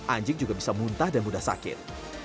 anjing juga bisa muntah dan mudah sakit